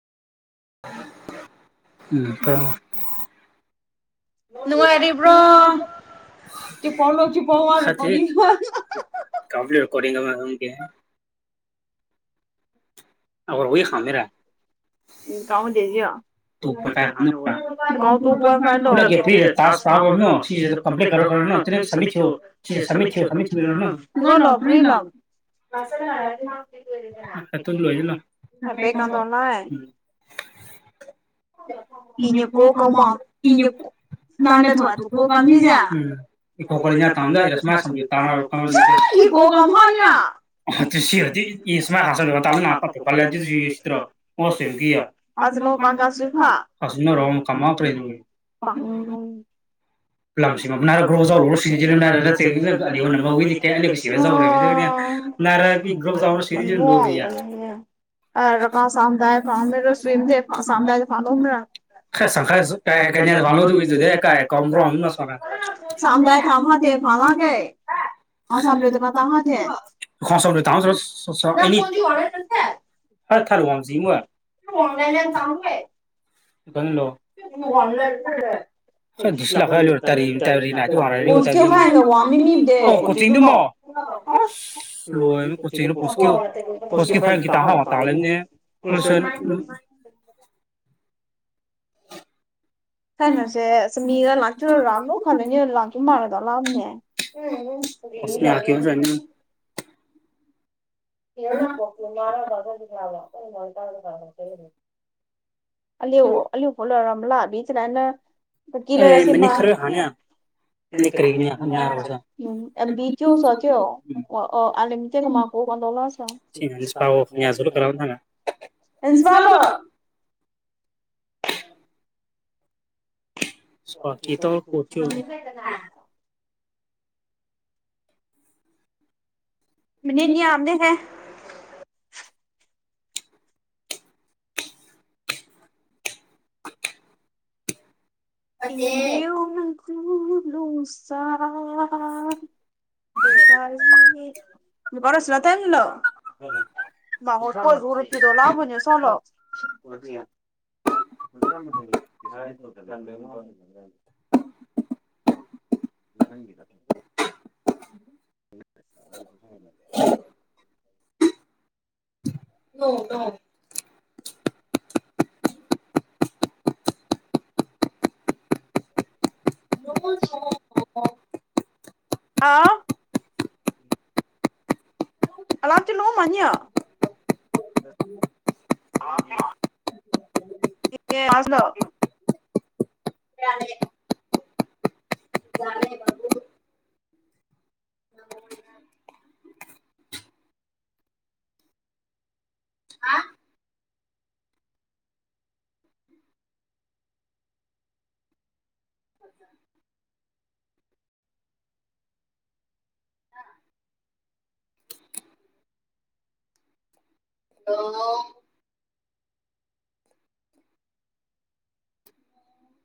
[inaudible] ꯅꯨꯡꯉꯥꯏꯔꯤꯕ꯭ꯔꯣ [unintelligible] [unintelligible] ꯎꯝ ꯀꯥꯎꯗꯦꯖꯤꯌꯣ ꯏ ꯐꯔ ꯀ ꯐꯥꯏ ꯄꯂꯤ ꯇ ꯄꯥꯕꯅꯣ ꯁꯤ ꯀꯝꯔꯅꯣ ꯀꯦꯅꯦ ꯑ ꯄ ꯀꯝꯗꯣꯂ ꯏ ꯄꯕꯃ ꯏ ꯅꯅꯦ ꯊ ꯋꯥ ꯇ ꯀ ꯉꯝꯃꯤꯖ ꯏ ꯀꯣꯀ ꯇꯝ ꯔꯁꯃ ꯇꯥ [unintelligible] [unintelligible] ꯀꯃꯥ ꯄ [unintelligible] ꯂꯝꯁꯤꯔ ꯒ꯭ꯔꯣ ꯆꯥꯎꯧꯔꯣ ꯁꯤꯁꯤꯡꯁꯤꯗꯤ ꯀ ꯁꯤꯔ ꯅꯔꯒ꯭ꯔꯣꯔ ꯁꯤ ꯂ ꯏ ꯌꯥ ꯑ ꯁꯗꯏ ꯐꯣ ꯁ ꯊꯦ ꯁꯗꯏ ꯐꯗ ꯀ ꯁꯪ ꯀꯩꯅꯅꯤ ꯀ ꯁꯝꯗ ꯊꯥꯃ ꯊꯦ ꯐꯂ ꯀꯥꯏ ꯁꯗ ꯀꯍꯦ ꯍ ꯊꯔꯋꯥꯟꯁꯤ ꯃ ꯋꯥꯉꯅ ꯆꯥꯡ [unintelligible] ꯐ ꯃꯤ ꯀꯤ ꯐ ꯑ ꯀ ꯀꯩꯅꯣꯁꯦ ꯑꯁ ꯃꯤꯒ ꯂꯥꯛꯇꯆꯔ ꯂꯥꯝꯅꯣ ꯈꯜꯂꯅꯤ ꯂꯥꯛꯇꯣꯏ ꯃꯥꯜꯂꯗꯣ ꯂꯥꯛꯑꯝꯅꯦ ꯎꯝ ꯃꯟꯁꯗꯤ ꯍ ꯄꯣꯛ ꯃꯥꯕ ꯑ ꯑ ꯐꯂ ꯑꯔꯝꯂꯆꯅ ꯀ ꯂ ꯁꯤꯃ ꯎꯝꯆꯣ ꯁꯣ ꯀ ꯏꯁꯄꯥꯕ ꯁ꯭ꯀꯤ ꯇ ꯀꯣꯀꯤ ꯃꯅꯤꯅꯤ ꯌꯥꯝꯗ ꯍꯥꯏ ꯏꯅꯦ ꯎ ꯂꯨ ꯁꯔ ꯔꯁꯨꯂ ꯇꯂꯣ ꯊꯗꯣ ꯂꯥꯎꯕꯁ ꯍꯂꯣ [unintelligible] ꯊ ꯊ ꯎ ꯁꯨ ꯍ ꯑ ꯎꯝ ꯑꯥ ꯑꯞꯇ ꯂ ꯃꯥꯅꯤꯌ ꯁꯅꯣ [unintelligible] ꯆꯂꯦꯕꯨ ꯑ